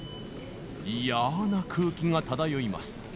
いやな空気が漂います。